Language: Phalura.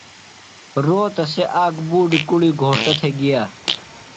روتہ سےۡ اک بُوڈیۡ کُڑی گھوݜٹہ تھےۡ گِیہ۔